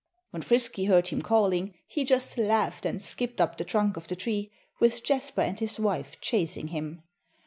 When Frisky heard him calling he just laughed and skipped up the trunk of the tree, with Jasper and his wife chasing him.